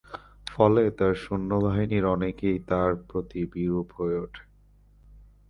ফলে তাঁর সৈন্যবাহিনীর অনেকেই তাঁর প্রতি বিরূপ হয়ে ওঠে।